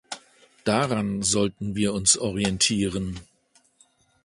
Daran sollten wir uns orientieren.